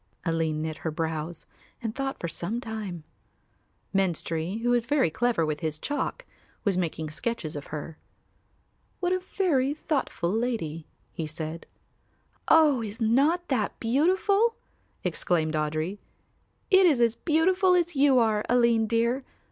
Aline knit her brows and thought for some time. Menstrie, who was very clever with his chalk, was making sketches of her. "What a very thoughtful lady!" he said. "Oh, is not that beautiful?" exclaimed Audry. "It is as beautiful as you are, Aline dear.